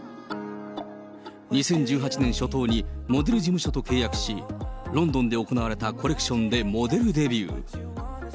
２０１８年初頭にモデル事務所と契約し、ロンドンで行われたコレクションでモデルデビュー。